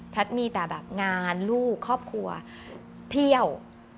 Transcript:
มีแต่แบบงานลูกครอบครัวเที่ยว